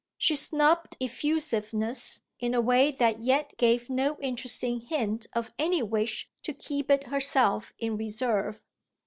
She snubbed effusiveness in a way that yet gave no interesting hint of any wish to keep it herself in reserve.